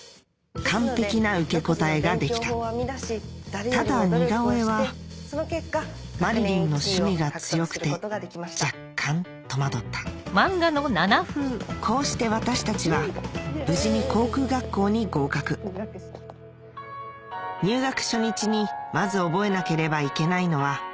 完璧な受け答えができたただ似顔絵はまりりんの趣味が強くて若干戸惑ったこうして私たちは無事に航空学校に合格入学初日にまず覚えなければいけないのは